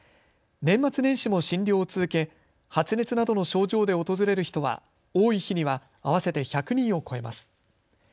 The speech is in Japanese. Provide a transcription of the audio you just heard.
年末年始も診療を続け、発熱などの症状で訪れる人は多い日には合わせて１００人を超えます。